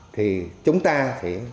thì chúng ta sẽ